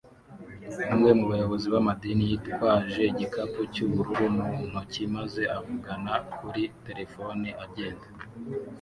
Umwe mu bayobozi b'amadini yitwaje igikapu cy'ubururu mu ntoki maze avugana kuri telefone agenda